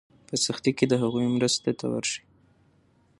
په سختۍ کې د هغوی مرستې ته ورشئ.